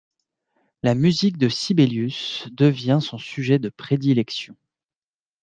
La musique de Sibelius devient son sujet de prédilection.